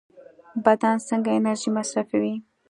بدن څنګه انرژي مصرفوي؟